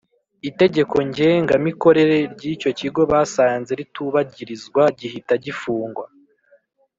Itegeko ngenga mikorere ryicyo kigo basanze ritubagirizwa gihita gifungwa